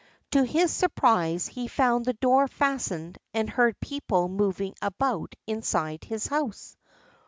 To his surprise, he found the door fastened and heard people moving about inside his house.